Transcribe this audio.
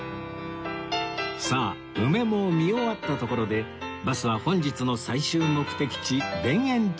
さあ梅も見終わったところでバスは本日の最終目的地田園調布へ